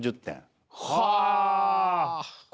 はあ！